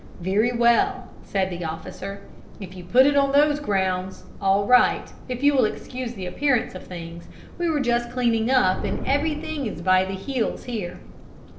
"Very well," said the officer: "if you put it on those grounds, all right, if you will excuse the appearance of things. We were just cleaning up, and everything is by the heels here."